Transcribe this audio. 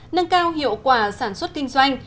nâng cao hiệu quả sản xuất kinh doanh